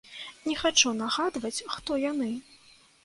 Не хачу нагадваць, хто яны.